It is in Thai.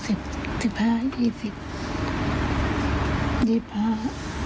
อ่ะสิบสิบห้าอีสิบจีบห้า